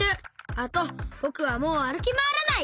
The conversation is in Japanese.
あとぼくはもうあるきまわらない！